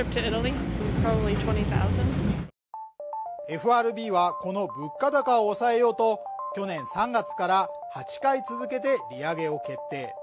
ＦＲＢはこの物価高を抑えようと去年３月から８回続けて利上げを決定。